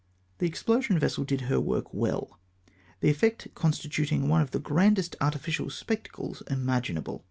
The explosion vessel did her work well, the effect constituting one of the grandest artificial spectacles imaginable.